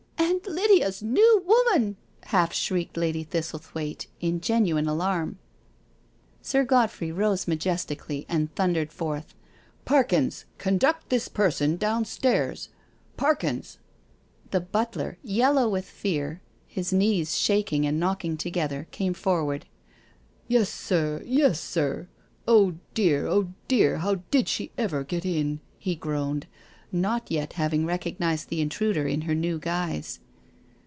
"Aunt Lydia*5 New Woman I" half shrieked Lady Thistlethwaite in genuine alarm. Sir Godfrey rose majestically and thundered forth: " Parkins, conduct this person downstairs — Parkins I " The butler, yellow with fear, his knees shaking and knocking together, came forward. " Yes, sir— yes, sir. Oh dear, oh dear, how did she ever get in?*' he groaned, not yet having recognised the intruder in her new guise.